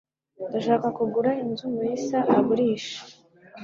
Ndashaka kugura inzu Mulisa agurisha.